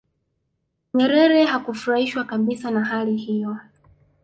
nyerere hakufurahishwa kabisa na hali hiyo